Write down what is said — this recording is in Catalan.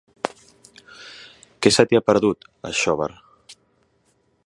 Què se t'hi ha perdut, a Xóvar?